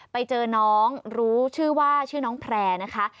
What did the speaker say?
ไปเจอน้องรู้ชื่อว่าชื่อน้องแพร่นะคะ